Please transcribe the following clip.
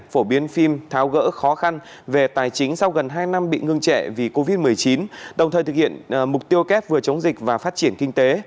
phổ biến phim tháo gỡ khó khăn về tài chính sau gần hai năm bị ngưng trệ vì covid một mươi chín đồng thời thực hiện mục tiêu kép vừa chống dịch và phát triển kinh tế